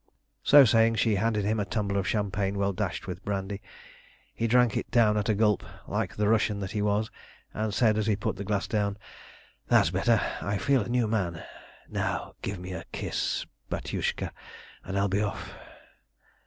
So saying she handed him a tumbler of champagne well dashed with brandy. He drank it down at a gulp, like the Russian that he was, and said as he put the glass down "That's better. I feel a new man. Now give me a kiss, batiushka, and I'll be off."